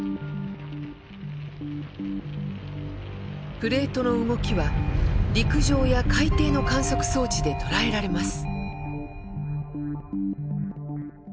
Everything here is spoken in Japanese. プレートの動きは陸上や海底の観測装置で捉えられます。